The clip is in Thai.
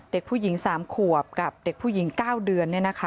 เด็กผู้หญิง๓ขวบกับเด็กผู้หญิง๙เดือน